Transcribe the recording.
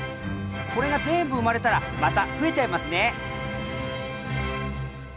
これが全部生まれたらまた増えちゃいますね。